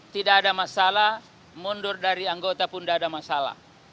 tidak ada masalah mundur dari anggota pun tidak ada masalah